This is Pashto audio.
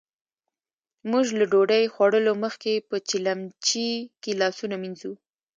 موژ له ډوډۍ خوړلو مخکې په چیلیمچې کې لاسونه مينځو.